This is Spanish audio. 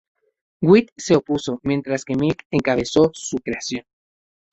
White se opuso, mientras que Milk encabezó su creación.